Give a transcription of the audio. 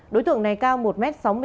đối tượng này cao một m sáu mươi bốn